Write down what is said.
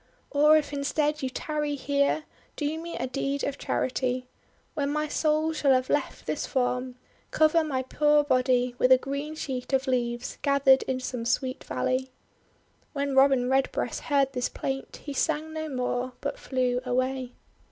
Or, if instead you tarry here, do me a deed of charity. When my soul shall have left "102 THE WONDER GARDEN this form, cover my poor body with a green sheet of leaves gathered in some sweet valley!' When Robin Redbreast heard this plaint, he sang no more, but flew away.